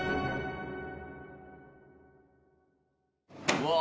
うわ！